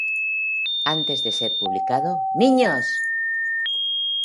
Antes de ser publicado "¡Niños!